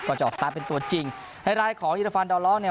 ก็จะออกสตาร์ทเป็นตัวจริงในรายของยิรภัณฑ์ดาวนล็อคเนี่ย